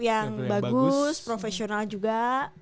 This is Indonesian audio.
yang bagus profesional juga